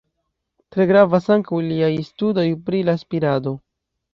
Tre gravas ankaŭ liaj studoj pri la spirado.